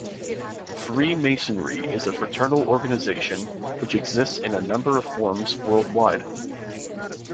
Freemasonry is a fraternal organisation which exists in a number of forms worldwide.